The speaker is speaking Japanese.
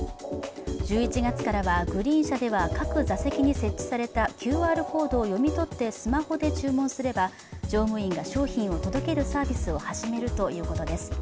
１１月からはグリーン車では各座席に設置されたＱＲコードを読み取りスマホで注文すれば乗務員が商品を届けるサービスを始めるということです。